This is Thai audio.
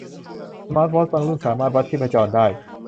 สมาร์ทวอชบางรุ่นสามารถวัดชีพจรได้